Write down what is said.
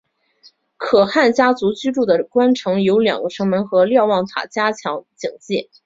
可汗家族居住的宫城有两个城门和瞭望塔加强警戒。